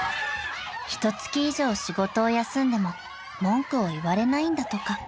［ひと月以上仕事を休んでも文句を言われないんだとか］